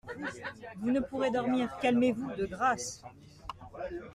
Vous ne pourrez dormir, calmez-vous, de grâce.